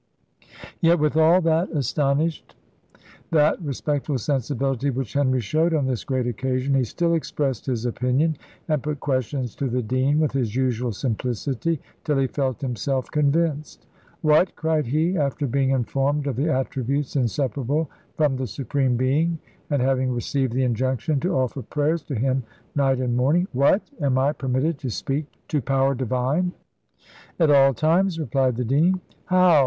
Yet, with all that astonished, that respectful sensibility which Henry showed on this great occasion, he still expressed his opinion, and put questions to the dean, with his usual simplicity, till he felt himself convinced. "What!" cried he after being informed of the attributes inseparable from the Supreme Being, and having received the injunction to offer prayers to Him night and morning "What! am I permitted to speak to Power Divine?" "At all times," replied the dean. "How!